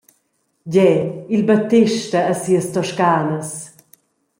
Gie, il Battesta e sias toscanas.